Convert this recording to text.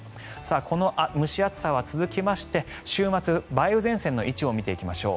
この蒸し暑さは続きまして週末、梅雨前線の位置も見ていきましょう。